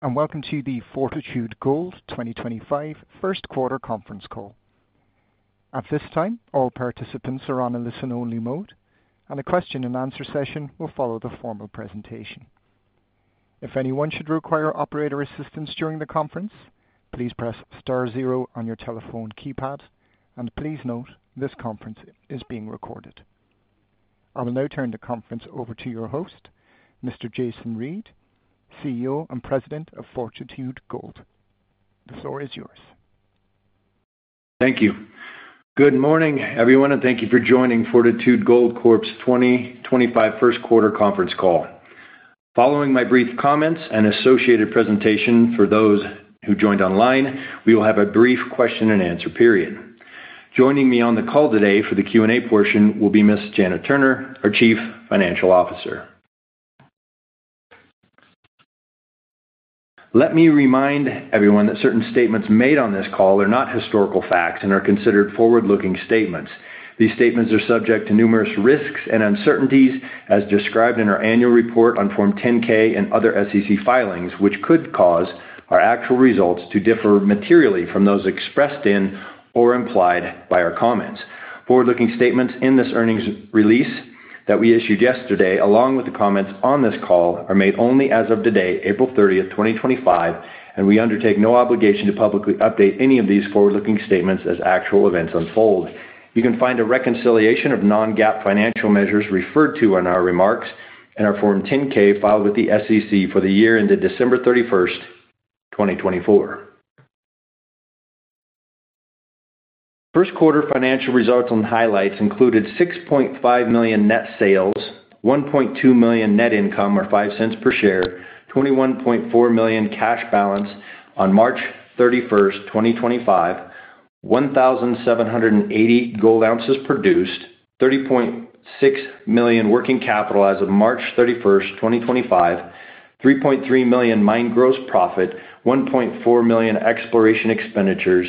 Welcome to the Fortitude Gold 2025 First Quarter Conference Call. At this time, all participants are on a listen-only mode, and the question-and-answer session will follow the formal presentation. If anyone should require operator assistance during the conference, please press star zero on your telephone keypad, and please note this conference is being recorded. I will now turn the conference over to your host, Mr. Jason Reid, CEO and President of Fortitude Gold. The floor is yours. Thank you. Good morning, everyone, and thank you for joining Fortitude Gold Corp's 2025 first quarter conference call. Following my brief comments and associated presentation for those who joined online, we will have a brief question-and-answer period. Joining me on the call today for the Q&A portion will be Ms. Janet Turner, our Chief Financial Officer. Let me remind everyone that certain statements made on this call are not historical facts and are considered forward-looking statements. These statements are subject to numerous risks and uncertainties, as described in our annual report on Form 10-K and other SEC filings, which could cause our actual results to differ materially from those expressed in or implied by our comments. Forward-looking statements in this earnings release that we issued yesterday, along with the comments on this call, are made only as of today, April 30th, 2025, and we undertake no obligation to publicly update any of these forward-looking statements as actual events unfold. You can find a reconciliation of non-GAAP financial measures referred to in our remarks in our Form 10-K filed with the SEC for the year ended December 31st, 2024. First quarter financial results and highlights included $6.5 million net sales, $1.2 million net income or $0.05 per share, $21.4 million cash balance on March 31, 2025, 1,780 gold ounces produced, $30.6 million working capital as of March 31, 2025, $3.3 million mined gross profit, $1.4 million exploration expenditures,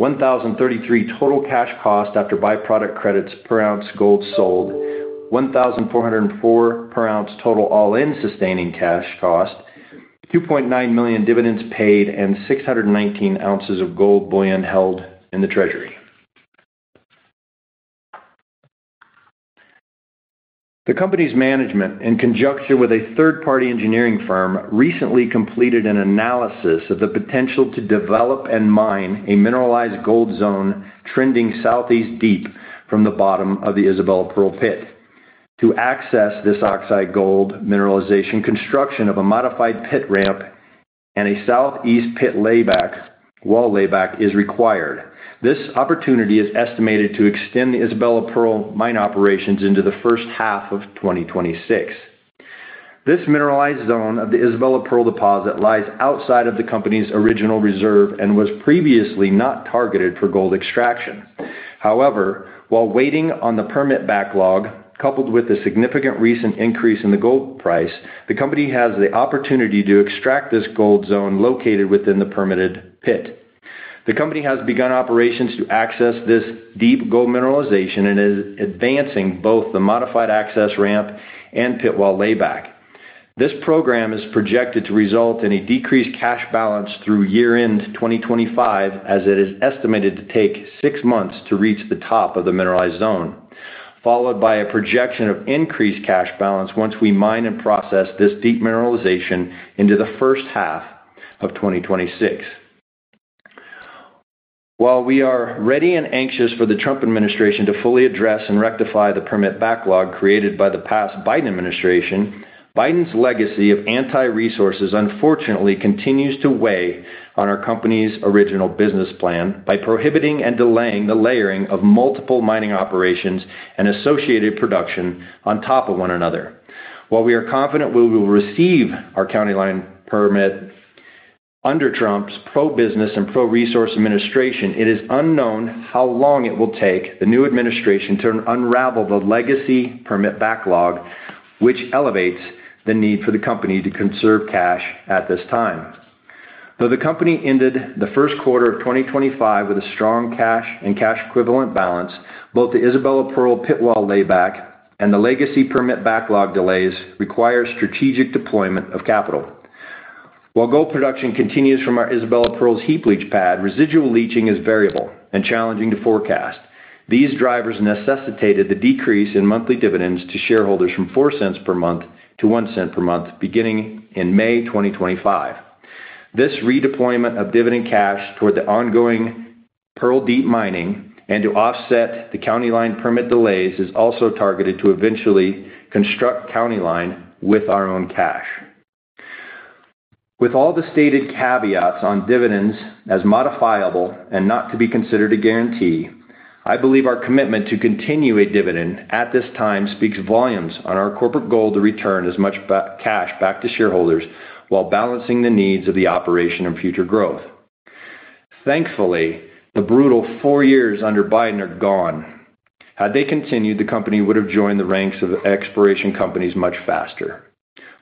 $1,033 total cash cost after byproduct credits per ounce gold sold, $1,404 per ounce total all-in sustaining cash cost, $2.9 million dividends paid, and 619 ounces of gold bullion held in the treasury. The company's management, in conjunction with a third-party engineering firm, recently completed an analysis of the potential to develop and mine a mineralized gold zone trending southeast deep from the bottom of the Isabella Pearl Pit. To access this oxide gold mineralization, construction of a modified pit ramp and a southeast pit wall layback is required. This opportunity is estimated to extend the Isabella Pearl mine operations into the first half of 2026. This mineralized zone of the Isabella Pearl deposit lies outside of the company's original reserve and was previously not targeted for gold extraction. However, while waiting on the permit backlog, coupled with the significant recent increase in the gold price, the company has the opportunity to extract this gold zone located within the permitted pit. The company has begun operations to access this deep gold mineralization and is advancing both the modified access ramp and pit wall layback. This program is projected to result in a decreased cash balance through year-end 2025, as it is estimated to take six months to reach the top of the mineralized zone, followed by a projection of increased cash balance once we mine and process this deep mineralization into the first half of 2026. While we are ready and anxious for the Trump administration to fully address and rectify the permit backlog created by the past Biden administration, Biden's legacy of anti-resources unfortunately continues to weigh on our company's original business plan by prohibiting and delaying the layering of multiple mining operations and associated production on top of one another. While we are confident we will receive our County Line permit under Trump's pro-business and pro-resource administration, it is unknown how long it will take the new administration to unravel the legacy permit backlog, which elevates the need for the company to conserve cash at this time. Though the company ended the first quarter of 2025 with a strong cash and cash equivalent balance, both the Isabella Pearl pit wall layback and the legacy permit backlog delays require strategic deployment of capital. While gold production continues from our Isabella Pearl's heap leach pad, residual leaching is variable and challenging to forecast. These drivers necessitated the decrease in monthly dividends to shareholders from $0.04 per month to $0.01 per month beginning in May 2025. This redeployment of dividend cash toward the ongoing Pearl Deep mining and to offset the County Line permit delays is also targeted to eventually construct County Line with our own cash. With all the stated caveats on dividends as modifiable and not to be considered a guarantee, I believe our commitment to continue a dividend at this time speaks volumes on our corporate goal to return as much cash back to shareholders while balancing the needs of the operation and future growth. Thankfully, the brutal four years under Biden are gone. Had they continued, the company would have joined the ranks of exploration companies much faster.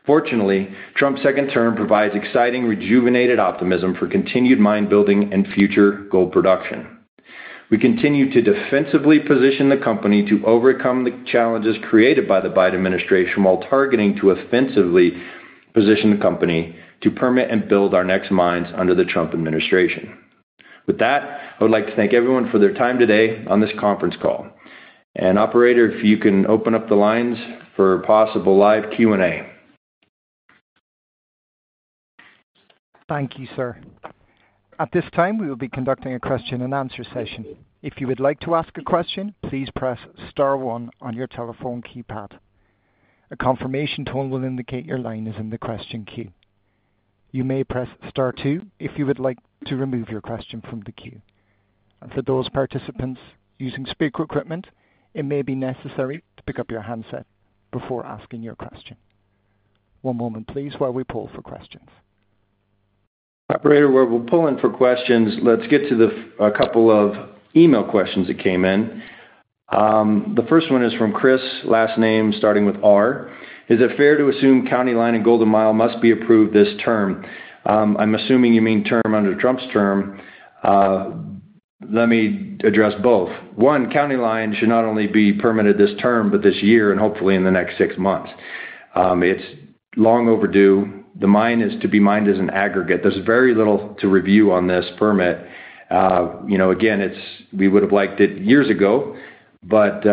Fortunately, Trump's second term provides exciting rejuvenated optimism for continued mine building and future gold production. We continue to defensively position the company to overcome the challenges created by the Biden administration while targeting to offensively position the company to permit and build our next mines under the Trump administration. With that, I would like to thank everyone for their time today on this conference call. Operator, if you can open up the lines for possible live Q&A. Thank you, sir. At this time, we will be conducting a question-and-answer session. If you would like to ask a question, please press star one on your telephone keypad. A confirmation tone will indicate your line is in the question queue. You may press star two if you would like to remove your question from the queue. For those participants using speaker equipment, it may be necessary to pick up your handset before asking your question. One moment, please, while we pull for questions. Operator, while we're pulling for questions, let's get to a couple of email questions that came in. The first one is from Chris, last name starting with R. Is it fair to assume County Line and Golden Mile must be approved this term? I'm assuming you mean term under Trump's term. Let me address both. One, County Line should not only be permitted this term but this year and hopefully in the next six months. It's long overdue. The mine is to be mined as an aggregate. There's very little to review on this permit. Again, we would have liked it years ago, but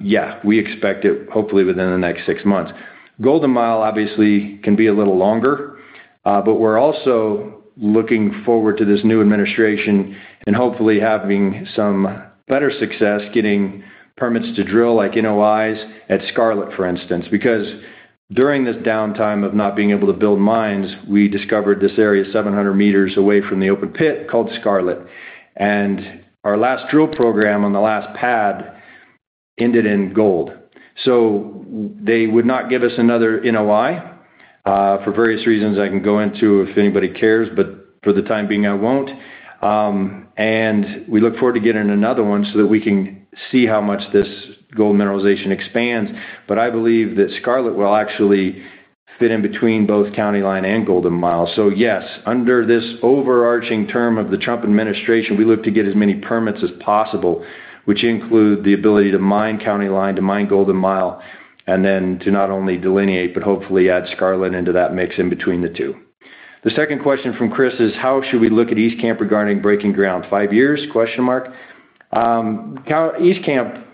yeah, we expect it hopefully within the next six months. Golden Mile obviously can be a little longer, but we're also looking forward to this new administration and hopefully having some better success getting permits to drill like NOIs at Scarlet, for instance, because during this downtime of not being able to build mines, we discovered this area 700 meters away from the open pit called Scarlet. Our last drill program on the last pad ended in gold. They would not give us another NOI for various reasons I can go into if anybody cares, but for the time being, I won't. We look forward to getting another one so that we can see how much this gold mineralization expands. I believe that Scarlet will actually fit in between both County Line and Golden Mile. Yes, under this overarching term of the Trump administration, we look to get as many permits as possible, which include the ability to mine County Line, to mine Golden Mile, and then to not only delineate but hopefully add Scarlet into that mix in between the two. The second question from Chris is, how should we look at East Camp regarding breaking ground? Five years? East Camp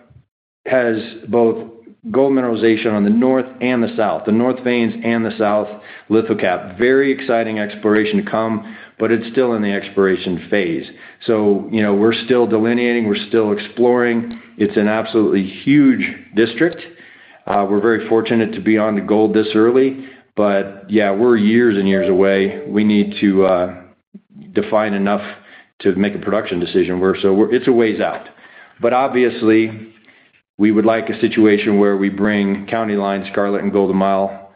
has both gold mineralization on the north and the south, the north veins and the south lithocap. Very exciting exploration to come, but it's still in the exploration phase. We're still delineating. We're still exploring. It's an absolutely huge district. We're very fortunate to be on the gold this early, but yeah, we're years and years away. We need to define enough to make a production decision. It's a ways out. Obviously, we would like a situation where we bring County Line, Scarlet, and Golden Mile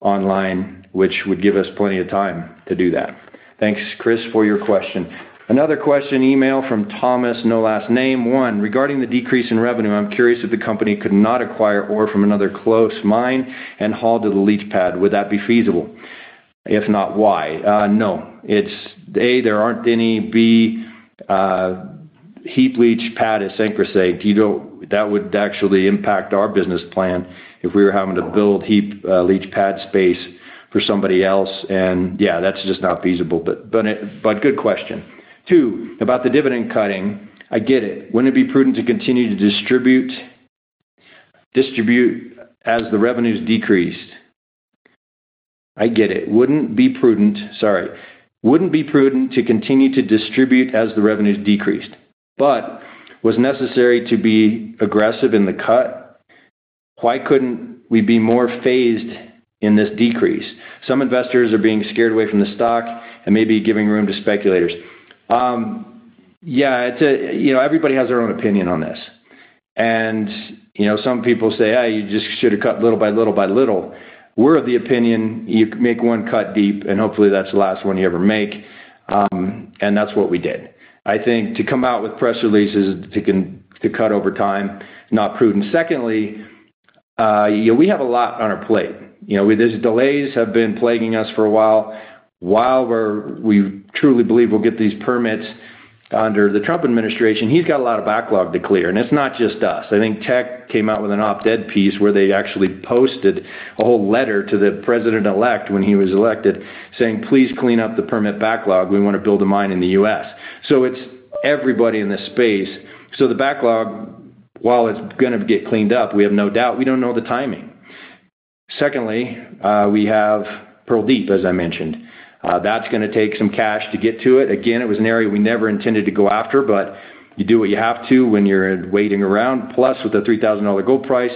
online, which would give us plenty of time to do that. Thanks, Chris, for your question. Another question email from Thomas, no last name. One, regarding the decrease in revenue, I'm curious if the company could not acquire ore from another close mine and haul to the leach pad. Would that be feasible? If not, why? No. A, there aren't any. B, heap leach pad is sacrosanct. That would actually impact our business plan if we were having to build heap leach pad space for somebody else. Yeah, that's just not feasible. Good question. Two, about the dividend cutting, I get it. Wouldn't it be prudent to continue to distribute as the revenues decreased? I get it. Wouldn't be prudent. Sorry. Wouldn't be prudent to continue to distribute as the revenues decreased. Was it necessary to be aggressive in the cut? Why couldn't we be more phased in this decrease? Some investors are being scared away from the stock and maybe giving room to speculators. Yeah, everybody has their own opinion on this. Some people say, you just should have cut little by little by little. We're of the opinion you make one cut deep, and hopefully that's the last one you ever make. That's what we did. I think to come out with press releases to cut over time, not prudent. Secondly, we have a lot on our plate. These delays have been plaguing us for a while. We truly believe we'll get these permits under the Trump administration. He's got a lot of backlog to clear. It's not just us. I think Teck came out with an op-ed piece where they actually posted a whole letter to the president-elect when he was elected saying, "Please clean up the permit backlog. We want to build a mine in the U.S." It is everybody in this space. The backlog, while it is going to get cleaned up, we have no doubt. We do not know the timing. Secondly, we have Pearl Deep, as I mentioned. That is going to take some cash to get to it. Again, it was an area we never intended to go after, but you do what you have to when you are waiting around. Plus, with the $3,000 gold price,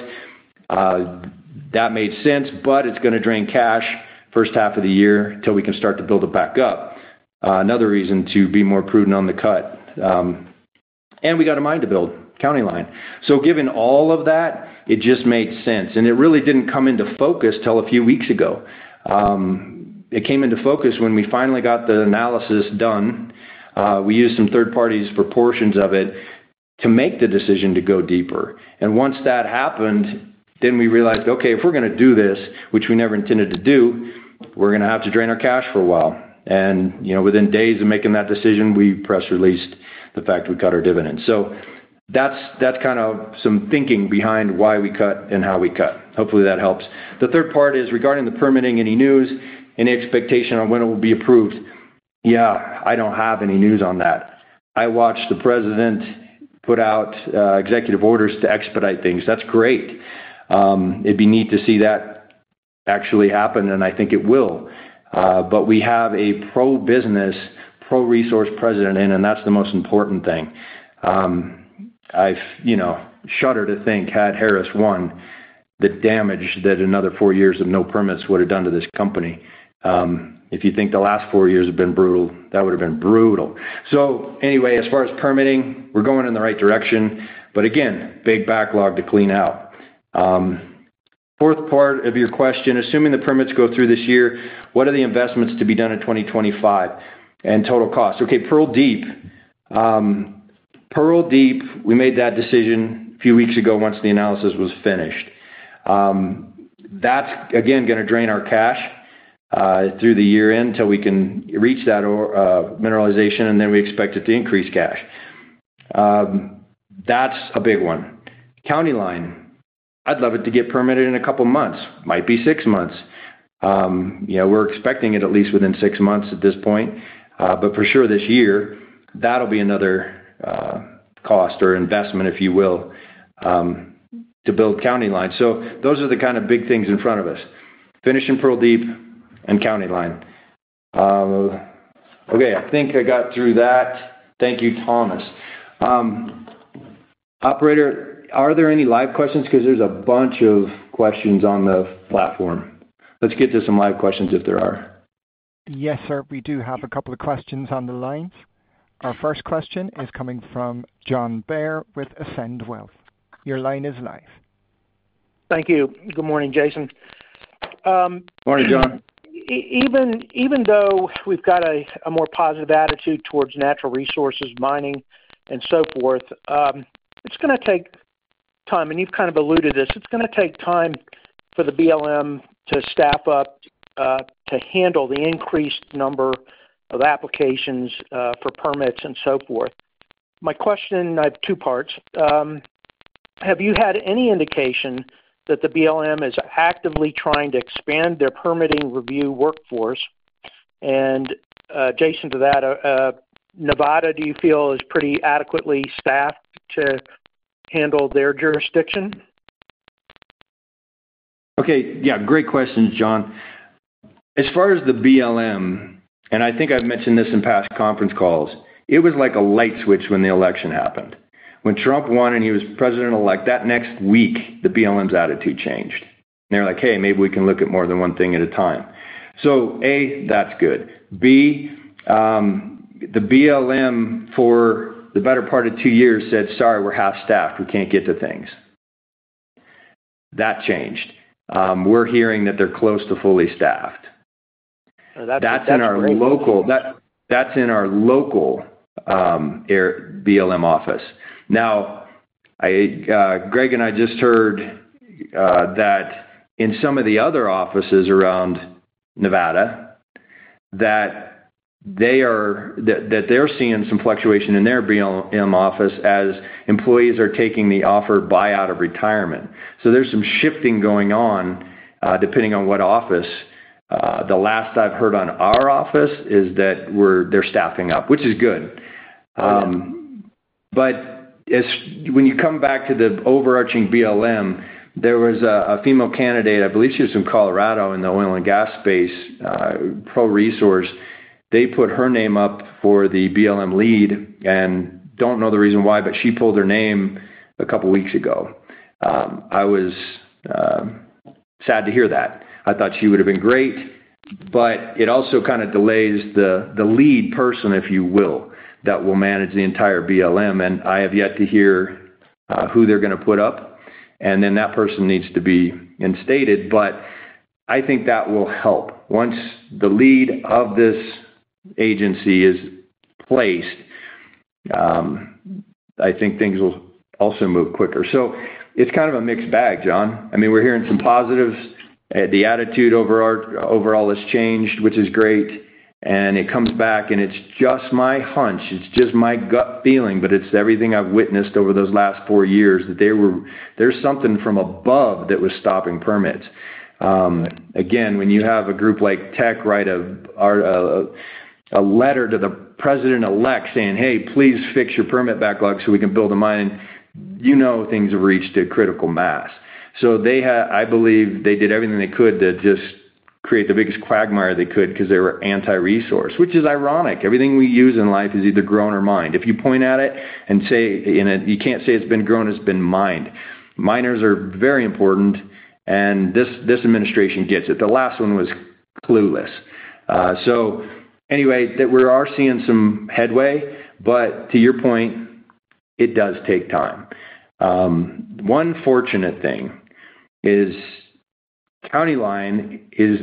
that made sense, but it is going to drain cash first half of the year until we can start to build it back up. Another reason to be more prudent on the cut. We got a mine to build, County Line. Given all of that, it just made sense. It really did not come into focus until a few weeks ago. It came into focus when we finally got the analysis done. We used some third parties for portions of it to make the decision to go deeper. Once that happened, we realized, "Okay, if we are going to do this, which we never intended to do, we are going to have to drain our cash for a while." Within days of making that decision, we press released the fact we cut our dividends. That is kind of some thinking behind why we cut and how we cut. Hopefully, that helps. The third part is regarding the permitting, any news, any expectation on when it will be approved? I do not have any news on that. I watched the president put out executive orders to expedite things. That's great. It'd be neat to see that actually happen, and I think it will. We have a pro-business, pro-resource president in, and that's the most important thing. I've shuddered to think had Harris won the damage that another four years of no permits would have done to this company. If you think the last four years have been brutal, that would have been brutal. Anyway, as far as permitting, we're going in the right direction. Again, big backlog to clean out. Fourth part of your question, assuming the permits go through this year, what are the investments to be done in 2025 and total cost? Okay, Pearl Deep. Pearl Deep, we made that decision a few weeks ago once the analysis was finished. That's, again, going to drain our cash through the year-end until we can reach that mineralization, and then we expect it to increase cash. That's a big one. County Line, I'd love it to get permitted in a couple of months. Might be six months. We're expecting it at least within six months at this point. For sure, this year, that'll be another cost or investment, if you will, to build County Line. Those are the kind of big things in front of us. Finishing Pearl Deep and County Line. I think I got through that. Thank you, Thomas. Operator, are there any live questions? Because there's a bunch of questions on the platform. Let's get to some live questions if there are. Yes, sir. We do have a couple of questions on the line. Our first question is coming from John Bair with Ascend Wealth. Your line is live. Thank you. Good morning, Jason. Morning, John. Even though we've got a more positive attitude towards natural resources, mining, and so forth, it's going to take time. You've kind of alluded to this. It's going to take time for the BLM to staff up to handle the increased number of applications for permits and so forth. My question, I have two parts. Have you had any indication that the BLM is actively trying to expand their permitting review workforce? Jason, to that, Nevada, do you feel is pretty adequately staffed to handle their jurisdiction? Okay. Yeah, great questions, John. As far as the BLM, and I think I've mentioned this in past conference calls, it was like a light switch when the election happened. When Trump won and he was president-elect, that next week, the BLM's attitude changed. They were like, "Hey, maybe we can look at more than one thing at a time." A, that's good. B, the BLM for the better part of two years said, "Sorry, we're half-staffed. We can't get to things." That changed. We're hearing that they're close to fully staffed. That's in our local BLM office. Now, Greg and I just heard that in some of the other offices around Nevada, they're seeing some fluctuation in their BLM office as employees are taking the offer buyout of retirement. There's some shifting going on depending on what office. The last I've heard on our office is that they're staffing up, which is good. When you come back to the overarching BLM, there was a female candidate, I believe she was from Colorado in the oil and gas space, pro-resource. They put her name up for the BLM lead. I do not know the reason why, but she pulled her name a couple of weeks ago. I was sad to hear that. I thought she would have been great. It also kind of delays the lead person, if you will, that will manage the entire BLM. I have yet to hear who they're going to put up. That person needs to be instated. I think that will help. Once the lead of this agency is placed, I think things will also move quicker. It is kind of a mixed bag, John. I mean, we're hearing some positives. The attitude overall has changed, which is great. It comes back, and it's just my hunch. It's just my gut feeling, but it's everything I've witnessed over those last four years that there's something from above that was stopping permits. Again, when you have a group like Teck write a letter to the president-elect saying, "Hey, please fix your permit backlog so we can build a mine," you know things have reached a critical mass. I believe they did everything they could to just create the biggest quagmire they could because they were anti-resource, which is ironic. Everything we use in life is either grown or mined. If you point at it and say you can't say it's been grown, it's been mined. Miners are very important, and this administration gets it. The last one was clueless. Anyway, we are seeing some headway. To your point, it does take time. One fortunate thing is County Line is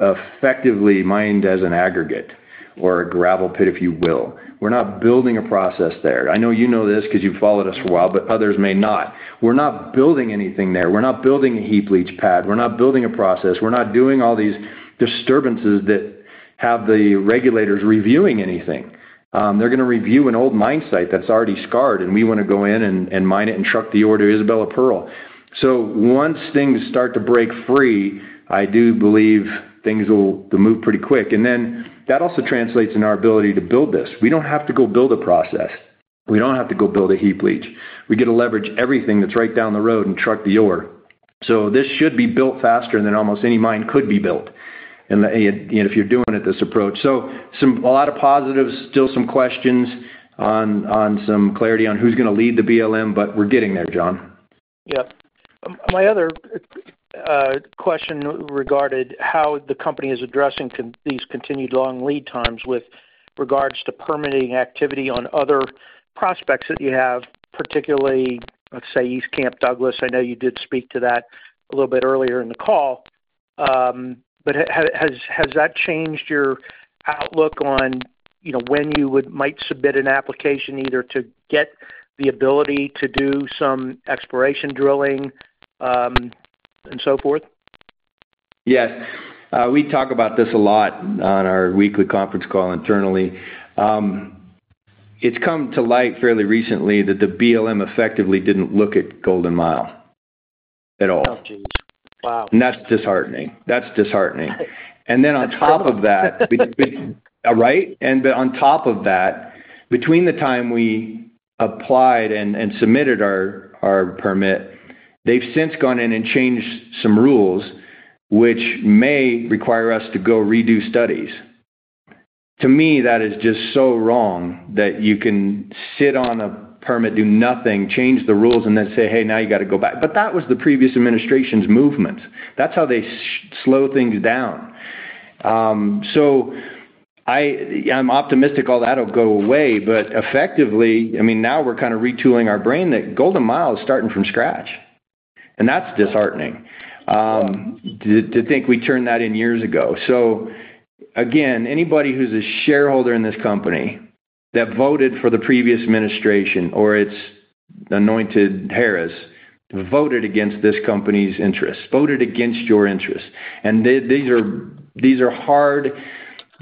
effectively mined as an aggregate or a gravel pit, if you will. We're not building a process there. I know you know this because you've followed us for a while, but others may not. We're not building anything there. We're not building a heap leach pad. We're not building a process. We're not doing all these disturbances that have the regulators reviewing anything. They're going to review an old mine site that's already scarred, and we want to go in and mine it and truck the ore to Isabella Pearl. Once things start to break free, I do believe things will move pretty quick. That also translates in our ability to build this. We don't have to go build a process. We don't have to go build a heap leach. We get to leverage everything that's right down the road and truck the ore. This should be built faster than almost any mine could be built if you're doing it this approach. A lot of positives, still some questions on some clarity on who's going to lead the BLM, but we're getting there, John. Yeah. My other question regarded how the company is addressing these continued long lead times with regards to permitting activity on other prospects that you have, particularly, let's say, East Camp Douglas. I know you did speak to that a little bit earlier in the call. Has that changed your outlook on when you might submit an application either to get the ability to do some exploration drilling and so forth? Yes. We talk about this a lot on our weekly conference call internally. It's come to light fairly recently that the BLM effectively didn't look at Golden Mile at all. Oh, jeez. Wow. That's disheartening. That's disheartening. On top of that, right? On top of that, between the time we applied and submitted our permit, they've since gone in and changed some rules, which may require us to go redo studies. To me, that is just so wrong that you can sit on a permit, do nothing, change the rules, and then say, "Hey, now you got to go back." That was the previous administration's movement. That's how they slow things down. I'm optimistic all that will go away. Effectively, I mean, now we're kind of retooling our brain that Golden Mile is starting from scratch. That's disheartening to think we turned that in years ago. Again, anybody who's a shareholder in this company that voted for the previous administration or its anointed Harris voted against this company's interests, voted against your interests. These are hard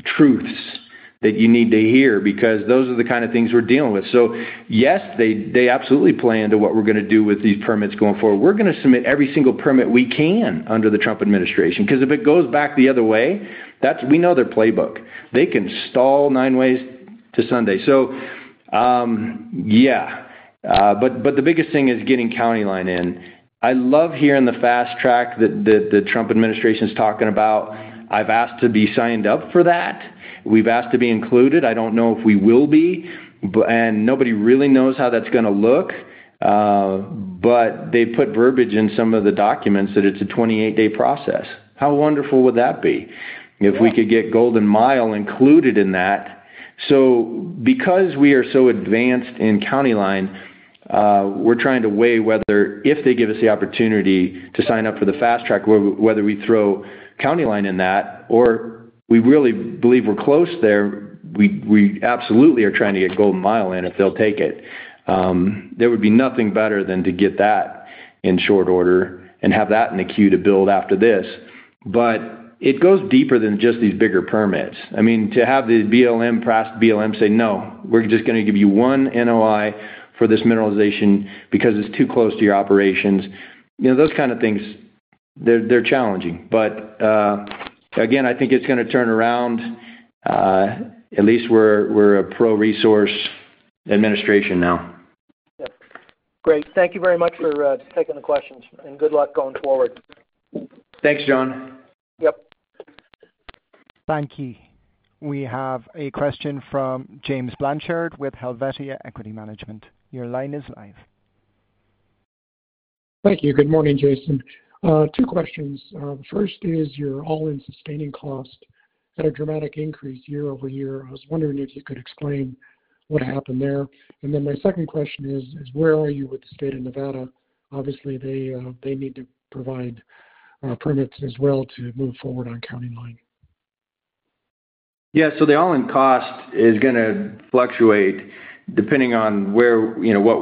truths that you need to hear because those are the kind of things we're dealing with. Yes, they absolutely play into what we're going to do with these permits going forward. We're going to submit every single permit we can under the Trump administration. If it goes back the other way, we know their playbook. They can stall nine ways to Sunday. The biggest thing is getting County Line in. I love hearing the fast track that the Trump administration is talking about. I've asked to be signed up for that. We've asked to be included. I don't know if we will be. Nobody really knows how that's going to look. They put verbiage in some of the documents that it's a 28-day process. How wonderful would that be if we could get Golden Mile included in that? Because we are so advanced in County Line, we're trying to weigh whether if they give us the opportunity to sign up for the fast track, whether we throw County Line in that, or we really believe we're close there. We absolutely are trying to get Golden Mile in if they'll take it. There would be nothing better than to get that in short order and have that in the queue to build after this. It goes deeper than just these bigger permits. I mean, to have the BLM say, "No, we're just going to give you one NOI for this mineralization because it's too close to your operations." Those kind of things, they're challenging. Again, I think it's going to turn around. At least we're a pro-resource administration now. Great. Thank you very much for taking the questions. Good luck going forward. Thanks, John. Yep. Thank you. We have a question from James Blanchard with Helvetia Equity Management. Your line is live. Thank you. Good morning, Jason. Two questions. The first is your all-in sustaining cost at a dramatic increase year over year. I was wondering if you could explain what happened there. My second question is, where are you with the state of Nevada? Obviously, they need to provide permits as well to move forward on County Line. Yeah. The all-in cost is going to fluctuate depending on what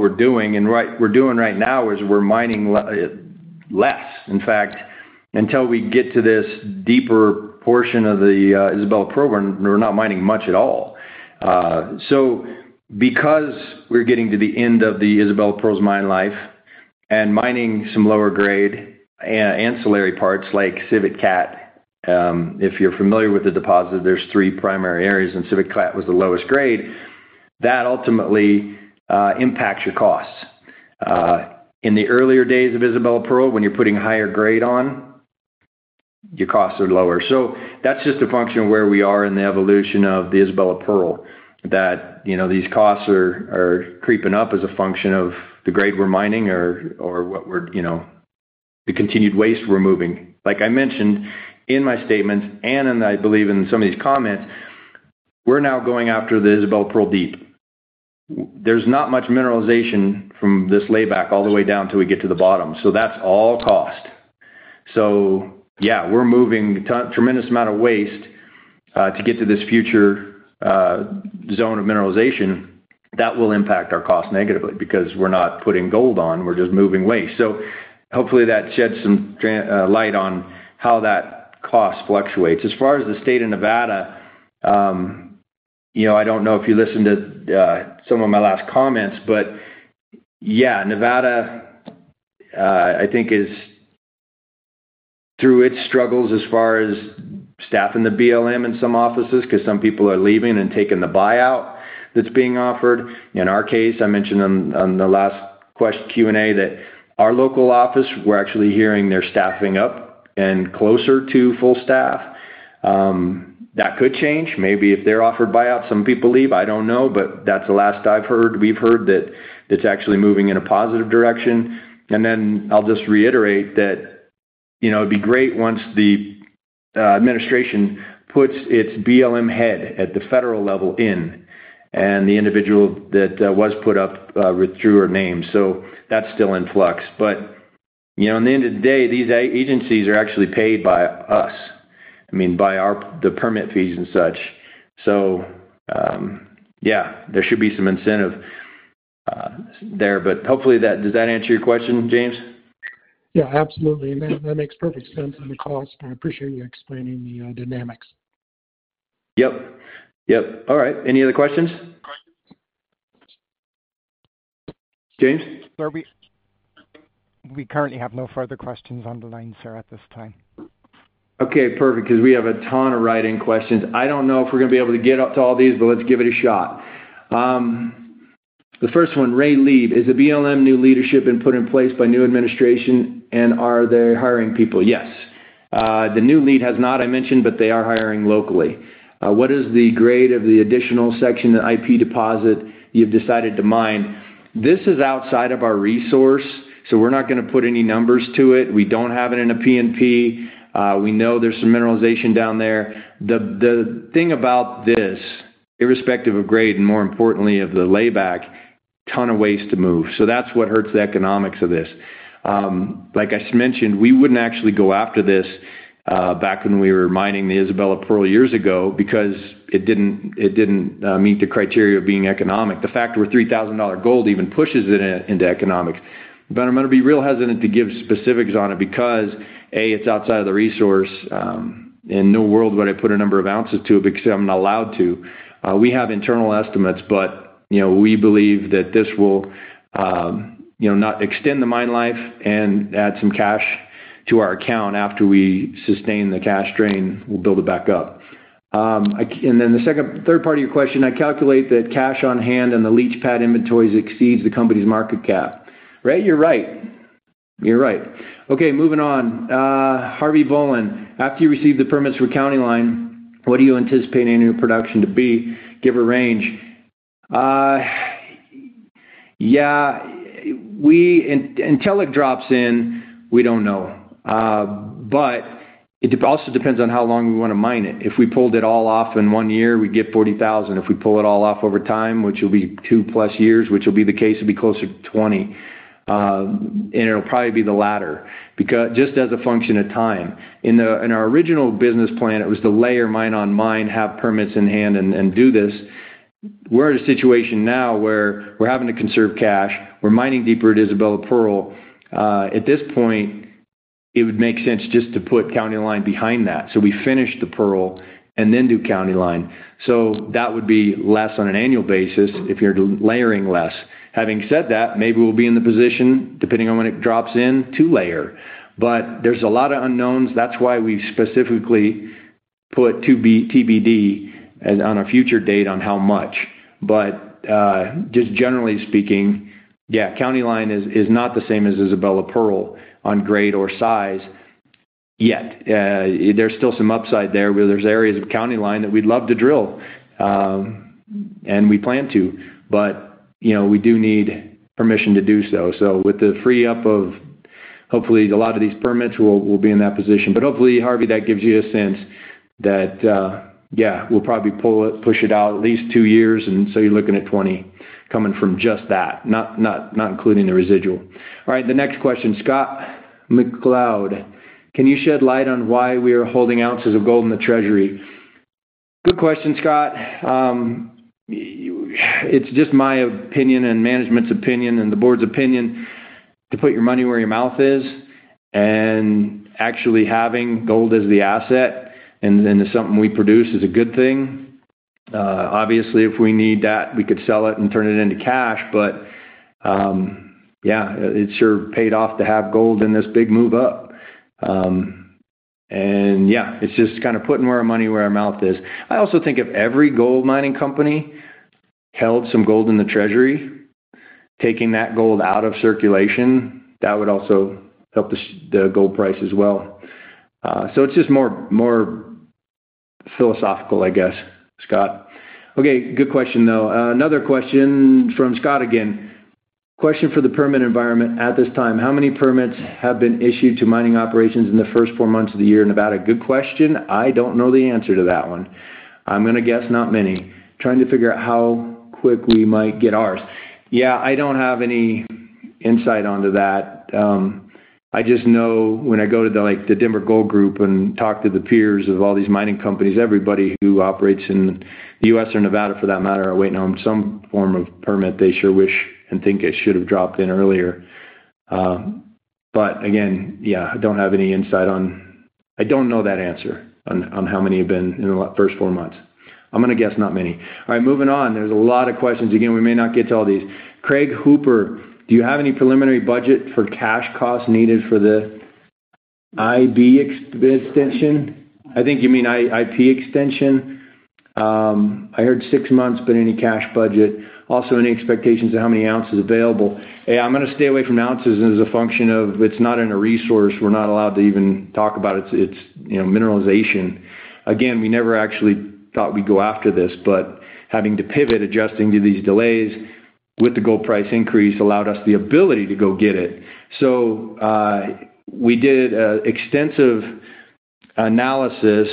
we're doing. What we're doing right now is we're mining less. In fact, until we get to this deeper portion of the Isabella Pearl, we're not mining much at all. Because we're getting to the end of the Isabella Pearl's mine life and mining some lower-grade ancillary parts like Civit Cat, if you're familiar with the deposit, there are three primary areas, and Civit Cat was the lowest grade, that ultimately impacts your costs. In the earlier days of Isabella Pearl, when you're putting higher grade on, your costs are lower. That's just a function of where we are in the evolution of the Isabella Pearl, that these costs are creeping up as a function of the grade we're mining or the continued waste we're moving. Like I mentioned in my statements and I believe in some of these comments, we're now going after the Isabella Pearl deep. There's not much mineralization from this layback all the way down till we get to the bottom. That's all cost. Yeah, we're moving a tremendous amount of waste to get to this future zone of mineralization that will impact our cost negatively because we're not putting gold on. We're just moving waste. Hopefully that sheds some light on how that cost fluctuates. As far as the state of Nevada, I don't know if you listened to some of my last comments, but Nevada, I think, is through its struggles as far as staffing the BLM in some offices because some people are leaving and taking the buyout that's being offered. In our case, I mentioned on the last Q&A that our local office, we're actually hearing they're staffing up and closer to full staff. That could change. Maybe if they're offered buyout, some people leave. I don't know. That is the last I've heard. We've heard that it's actually moving in a positive direction. I'll just reiterate that it'd be great once the administration puts its BLM head at the federal level in and the individual that was put up withdrew her name. That is still in flux. In the end of the day, these agencies are actually paid by us, I mean, by the permit fees and such. There should be some incentive there. Hopefully, does that answer your question, James? Yeah, absolutely. That makes perfect sense on the cost. I appreciate you explaining the dynamics. Yep. Yep. All right. Any other questions? James? We currently have no further questions on the line, sir, at this time. Okay. Perfect. Because we have a ton of write-in questions. I don't know if we're going to be able to get up to all these, but let's give it a shot. The first one, Ray Lee. Is the BLM new leadership been put in place by new administration, and are they hiring people? Yes. The new lead has not, I mentioned, but they are hiring locally. What is the grade of the additional section of IP deposit you've decided to mine? This is outside of our resource, so we're not going to put any numbers to it. We don't have it in a P&P. We know there's some mineralization down there. The thing about this, irrespective of grade and more importantly of the layback, a ton of waste to move. That's what hurts the economics of this. Like I mentioned, we wouldn't actually go after this back when we were mining the Isabella Pearl years ago because it didn't meet the criteria of being economic. The fact that we're at $3,000 gold even pushes it into economics. I'm going to be real hesitant to give specifics on it because, A, it's outside of the resource. In no world would I put a number of ounces to it because I'm not allowed to. We have internal estimates, but we believe that this will not extend the mine life and add some cash to our account after we sustain the cash drain. We'll build it back up. The third part of your question, I calculate that cash on hand and the leach pad inventories exceeds the company's market cap. Right? You're right. You're right. Okay. Moving on. After you receive the permits for County Line, what do you anticipate annual production to be? Give a range. Yeah. Until it drops in, we don't know. It also depends on how long we want to mine it. If we pulled it all off in one year, we get 40,000. If we pull it all off over time, which will be two plus years, which will be the case, it'll be closer to 20. It'll probably be the latter just as a function of time. In our original business plan, it was to layer mine on mine, have permits in hand, and do this. We're in a situation now where we're having to conserve cash. We're mining deeper at Isabella Pearl. At this point, it would make sense just to put County Line behind that. We finish the Pearl and then do County Line. That would be less on an annual basis if you're layering less. Having said that, maybe we'll be in the position, depending on when it drops in, to layer. There are a lot of unknowns. That is why we specifically put TBD on a future date on how much. Just generally speaking, county line is not the same as Isabella Pearl on grade or size yet. There is still some upside there. There are areas of county line that we'd love to drill, and we plan to. We do need permission to do so. With the free-up of hopefully a lot of these permits, we'll be in that position. Hopefully, Harvey, that gives you a sense that we'll probably push it out at least two years. You are looking at 20 coming from just that, not including the residual. All right. The next question, Scott McLeod. Can you shed light on why we are holding ounces of gold in the treasury? Good question, Scott. It's just my opinion and management's opinion and the board's opinion to put your money where your mouth is. Actually having gold as the asset and then something we produce is a good thing. Obviously, if we need that, we could sell it and turn it into cash. Yeah, it's sure paid off to have gold in this big move up. Yeah, it's just kind of putting our money where our mouth is. I also think if every gold mining company held some gold in the treasury, taking that gold out of circulation, that would also help the gold price as well. It's just more philosophical, I guess, Scott. Okay. Good question though. Another question from Scott again. Question for the permit environment at this time. How many permits have been issued to mining operations in the first four months of the year in Nevada? Good question. I don't know the answer to that one. I'm going to guess not many. Trying to figure out how quick we might get ours. I don't have any insight onto that. I just know when I go to the Denver Gold Group and talk to the peers of all these mining companies, everybody who operates in the U.S. or Nevada for that matter are waiting on some form of permit. They sure wish and think it should have dropped in earlier. Again, I don't have any insight on I don't know that answer on how many have been in the first four months. I'm going to guess not many. All right. Moving on. There's a lot of questions. Again, we may not get to all these. Craig Hooper, do you have any preliminary budget for cash costs needed for the IP extension? I think you mean IP extension. I heard six months, but any cash budget? Also any expectations of how many ounces available? Yeah, I'm going to stay away from ounces as a function of it's not in a resource. We're not allowed to even talk about it. It's mineralization. Again, we never actually thought we'd go after this. Having to pivot, adjusting to these delays with the gold price increase allowed us the ability to go get it. We did extensive analysis.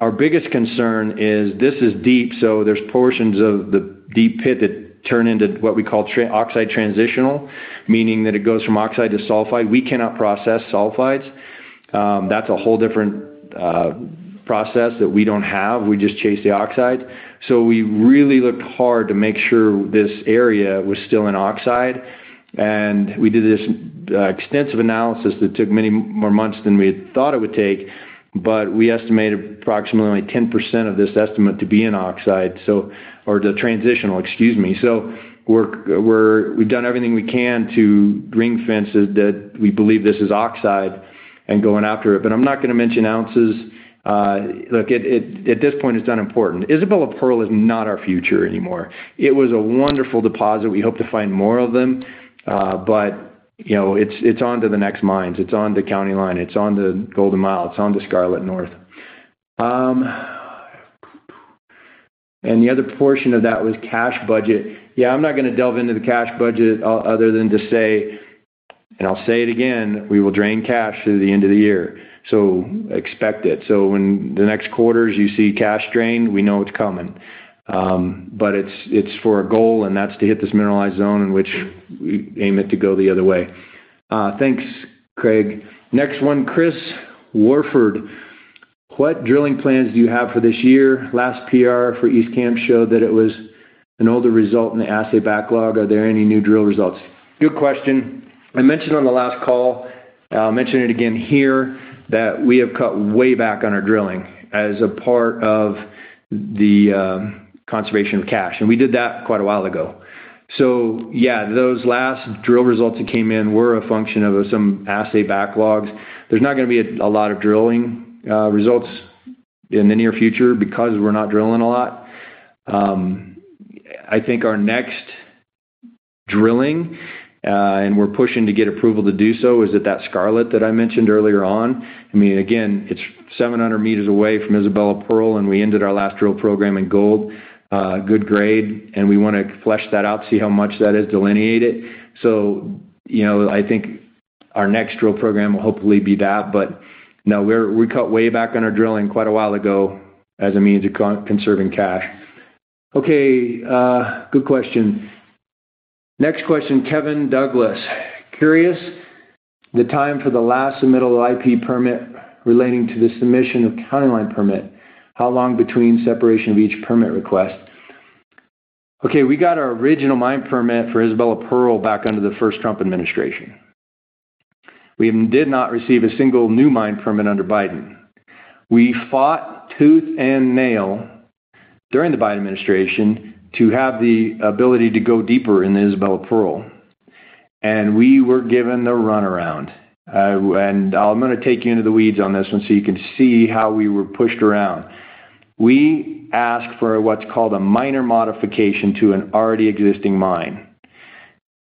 Our biggest concern is this is deep, so there's portions of the deep pit that turn into what we call oxide transitional, meaning that it goes from oxide to sulfide. We cannot process sulfides. That's a whole different process that we don't have. We just chase the oxide. We really looked hard to make sure this area was still in oxide. We did this extensive analysis that took many more months than we had thought it would take. We estimated approximately 10% of this estimate to be in oxide or the transitional, excuse me. We've done everything we can to ring-fence that we believe this is oxide and going after it. I'm not going to mention ounces. Look, at this point, it's unimportant. Isabella Pearl is not our future anymore. It was a wonderful deposit. We hope to find more of them. It's on to the next mines. It's on to County Line. It's on to Golden Mile. It's on to Scarlet North. The other portion of that was cash budget. Yeah, I'm not going to delve into the cash budget other than to say, and I'll say it again, we will drain cash through the end of the year. Expect it. When the next quarters you see cash drain, we know it's coming. It's for a goal, and that's to hit this mineralized zone in which we aim it to go the other way. Thanks, Craig. Next one, Chris Warford. What drilling plans do you have for this year? Last PR for East Camp showed that it was an older result in the assay backlog. Are there any new drill results? Good question. I mentioned on the last call, I'll mention it again here, that we have cut way back on our drilling as a part of the conservation of cash. We did that quite a while ago. Yeah, those last drill results that came in were a function of some assay backlogs. There's not going to be a lot of drilling results in the near future because we're not drilling a lot. I think our next drilling, and we're pushing to get approval to do so, is at that Scarlet that I mentioned earlier on. I mean, again, it's 700 meters away from Isabella Pearl, and we ended our last drill program in gold. Good grade. We want to flesh that out, see how much that is, delineate it. I think our next drill program will hopefully be that. No, we cut way back on our drilling quite a while ago as a means of conserving cash. Okay. Good question. Next question, Kevin Douglas. Curious the time for the last submittal of IP permit relating to the submission of County Line permit. How long between separation of each permit request? Okay. We got our original mine permit for Isabella Pearl back under the first Trump administration. We did not receive a single new mine permit under Biden. We fought tooth and nail during the Biden administration to have the ability to go deeper in the Isabella Pearl. We were given the runaround. I'm going to take you into the weeds on this one so you can see how we were pushed around. We asked for what's called a minor modification to an already existing mine.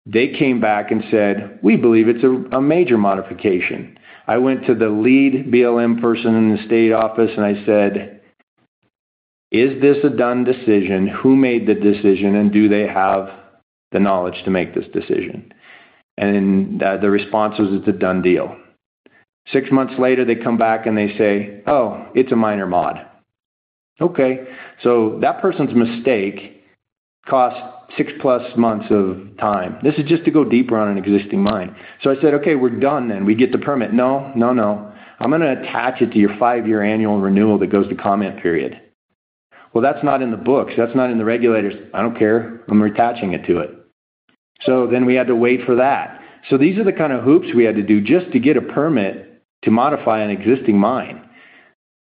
They came back and said, "We believe it's a major modification." I went to the lead BLM person in the state office, and I said, "Is this a done decision? Who made the decision? Do they have the knowledge to make this decision? The response was, "It's a done deal." Six months later, they come back and they say, "Oh, it's a minor mod." Okay. That person's mistake costs 6+ months of time. This is just to go deeper on an existing mine. I said, "Okay, we're done then. We get the permit." "No, no, no. I'm going to attach it to your five-year annual renewal that goes to comment period." "That's not in the books. That's not in the regulators." "I don't care. I'm attaching it to it." We had to wait for that. These are the kind of hoops we had to do just to get a permit to modify an existing mine.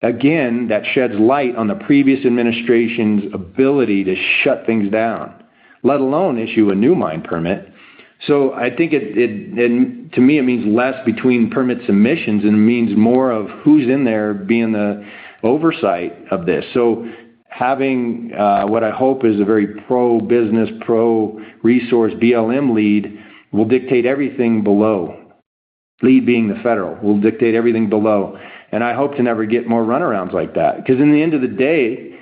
Again, that sheds light on the previous administration's ability to shut things down, let alone issue a new mine permit. I think to me, it means less between permit submissions and means more of who's in there being the oversight of this. Having what I hope is a very pro-business, pro-resource BLM lead will dictate everything below. Lead being the federal will dictate everything below. I hope to never get more runarounds like that. Because in the end of the day,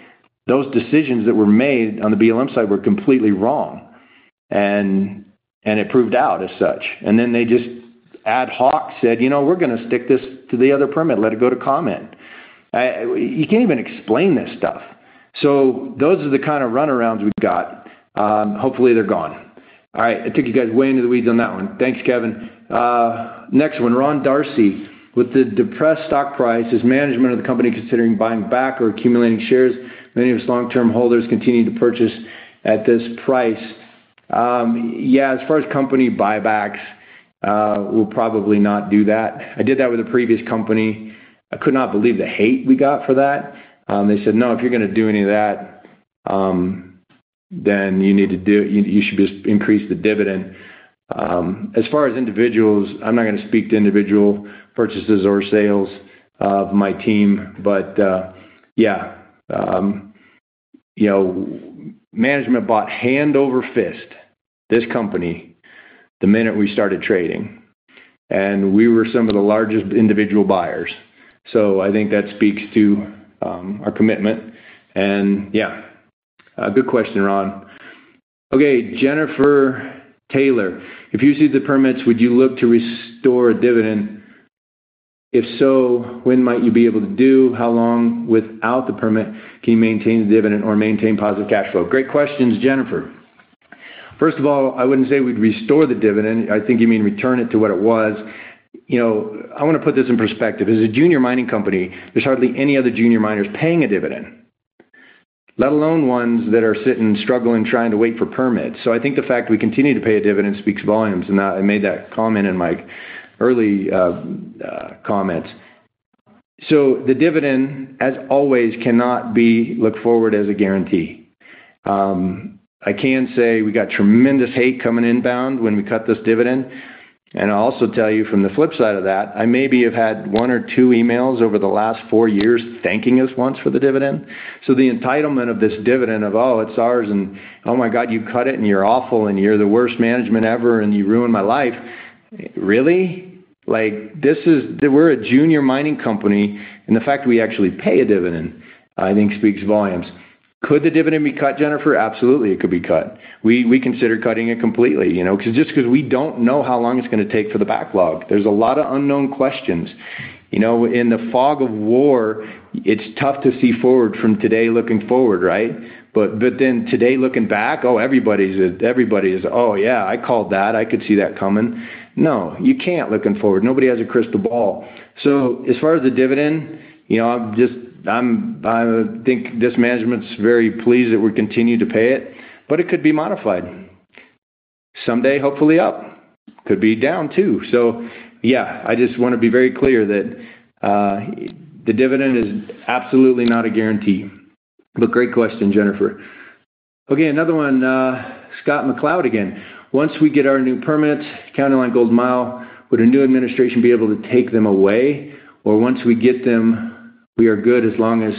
those decisions that were made on the BLM side were completely wrong. It proved out as such. They just ad hoc said, "We're going to stick this to the other permit. Let it go to comment." You can't even explain this stuff. Those are the kind of runarounds we've got. Hopefully, they're gone. All right. I took you guys way into the weeds on that one. Thanks, Kevin. Next one, Ron Darcy with the depressed stock price. Is management of the company considering buying back or accumulating shares? Many of its long-term holders continue to purchase at this price. Yeah, as far as company buybacks, we'll probably not do that. I did that with a previous company. I could not believe the hate we got for that. They said, "No, if you're going to do any of that, then you need to do you should just increase the dividend." As far as individuals, I'm not going to speak to individual purchases or sales of my team. But yeah, management bought hand over fist this company the minute we started trading. And we were some of the largest individual buyers. I think that speaks to our commitment. Yeah, good question, Ron. Okay. Jennifer Taylor, if you see the permits, would you look to restore a dividend? If so, when might you be able to do? How long without the permit can you maintain the dividend or maintain positive cash flow? Great questions, Jennifer. First of all, I would not say we would restore the dividend. I think you mean return it to what it was. I want to put this in perspective. As a junior mining company, there are hardly any other junior miners paying a dividend, let alone ones that are sitting struggling trying to wait for permits. I think the fact we continue to pay a dividend speaks volumes. I made that comment in my early comments. The dividend, as always, cannot be looked forward as a guarantee. I can say we got tremendous hate coming inbound when we cut this dividend. I will also tell you from the flip side of that, I maybe have had one or two emails over the last four years thanking us once for the dividend. The entitlement of this dividend of, "Oh, it's ours," and, "Oh my God, you cut it and you're awful and you're the worst management ever and you ruined my life." Really? We are a junior mining company, and the fact we actually pay a dividend, I think, speaks volumes. Could the dividend be cut, Jennifer? Absolutely, it could be cut. We consider cutting it completely. Just because we do not know how long it is going to take for the backlog. There are a lot of unknown questions. In the fog of war, it is tough to see forward from today looking forward, right? Today looking back, everybody is like, "Oh, yeah, I called that. I could see that coming." No, you cannot looking forward. Nobody has a crystal ball. As far as the dividend, I think this management is very pleased that we are continuing to pay it. But it could be modified. Someday, hopefully up. Could be down too. I just want to be very clear that the dividend is absolutely not a guarantee. Great question, Jennifer. Okay, another one. Scott McLeod again. Once we get our new permits, County Line, Golden Mile, would a new administration be able to take them away? Or once we get them, we are good as long as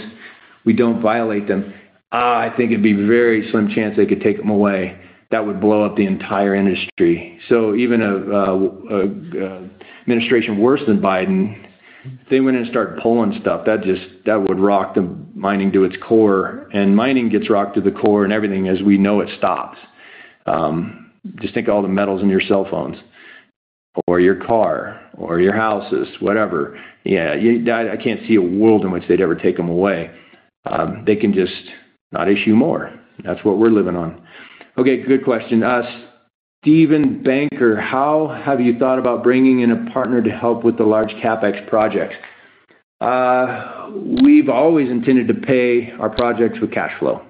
we do not violate them? I think it would be a very slim chance they could take them away. That would blow up the entire industry. Even an administration worse than Biden, if they went in and started pulling stuff, that would rock the mining to its core. Mining gets rocked to the core and everything as we know it stops. Just think of all the metals in your cell phones or your car or your houses, whatever. Yeah, I can't see a world in which they'd ever take them away. They can just not issue more. That's what we're living on. Okay, good question. Steven Banker, how have you thought about bringing in a partner to help with the large CapEx projects? We've always intended to pay our projects with cash flow.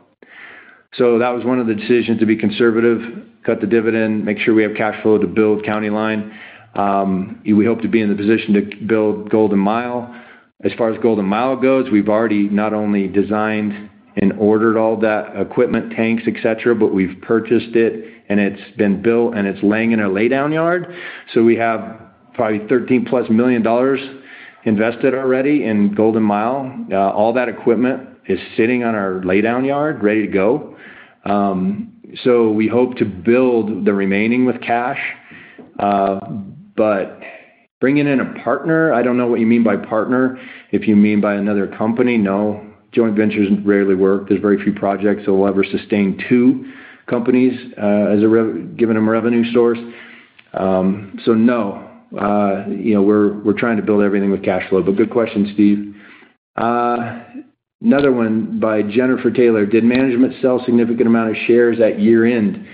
That was one of the decisions to be conservative, cut the dividend, make sure we have cash flow to build County Line. We hope to be in the position to build Golden Mile. As far as Golden Mile goes, we've already not only designed and ordered all that equipment, tanks, etc., but we've purchased it, and it's been built, and it's laying in our laydown yard. We have probably $13 million-plus invested already in Golden Mile. All that equipment is sitting on our laydown yard, ready to go. We hope to build the remaining with cash. Bringing in a partner, I don't know what you mean by partner. If you mean by another company, no. Joint ventures rarely work. There are very few projects that will ever sustain two companies as a given revenue source. No, we're trying to build everything with cash flow. Good question, Steve. Another one by Jennifer Taylor. Did management sell a significant amount of shares at year-end?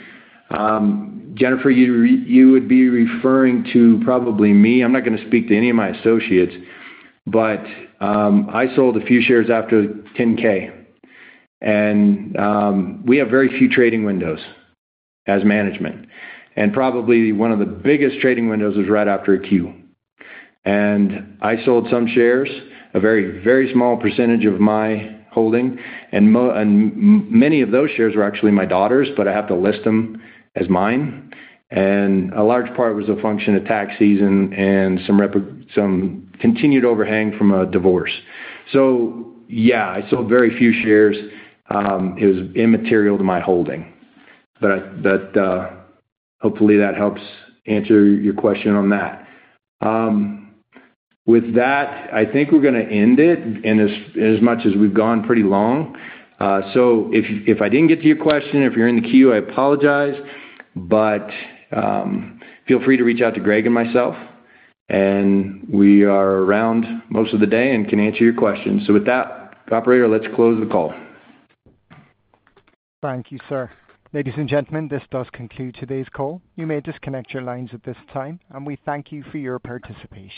Jennifer, you would be referring to probably me. I'm not going to speak to any of my associates. I sold a few shares after 10-K. We have very few trading windows as management. Probably one of the biggest trading windows was right after a Q. I sold some shares, a very, very small percentage of my holding. Many of those shares were actually my daughter's, but I have to list them as mine. A large part was a function of tax season and some continued overhang from a divorce. Yeah, I sold very few shares. It was immaterial to my holding. Hopefully, that helps answer your question on that. With that, I think we're going to end it as much as we've gone pretty long. If I did not get to your question, if you're in the queue, I apologize. Feel free to reach out to Greg and myself. We are around most of the day and can answer your questions. With that, operator, let's close the call. Thank you, sir. Ladies and gentlemen, this does conclude today's call. You may disconnect your lines at this time. We thank you for your participation.